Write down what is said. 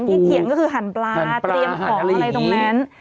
เขียนก็คือหั่นปลาเตรียมของอะไรตรงนั้น